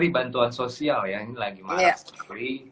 ini bantuan sosial ya ini lagi marak sekali